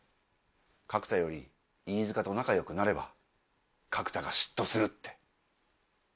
角田より飯塚と仲良くなれば角田が嫉妬するって。